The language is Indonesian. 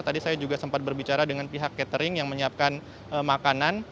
tadi saya juga sempat berbicara dengan pihak catering yang menyiapkan makanan